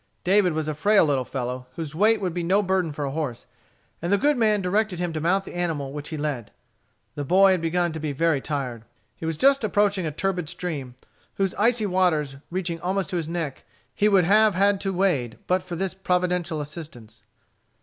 David was a frail little fellow, whose weight would be no burden for a horse, and the good man directed him to mount the animal which he led. The boy had begun to be very tired. He was just approaching a turbid stream, whose icy waters, reaching almost to his neck, he would have had to wade but for this Providential assistance.